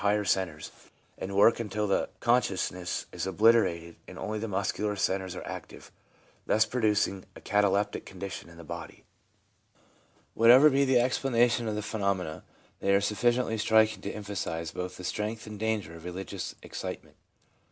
THE ABNORMAL ASPECT OF CONVERSION 169 which begin in the higher centres, and work until con sciousness is obliterated, and only the muscular centres are active, thus producing a cataleptic condition of the body. Whatever be the explanation of the phenomena, they are sufficiently striking to emphasise both the strength and danger of religious excitement.